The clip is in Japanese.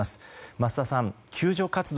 増田さん、救助活動